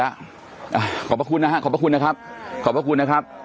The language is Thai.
ขอบพระคุณนะฮะขอบพระคุณนะครับขอบพระคุณนะครับ